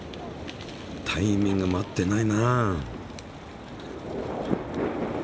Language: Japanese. タイミングも合ってないな。